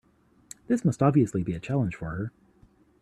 This must obviously be a challenge for her.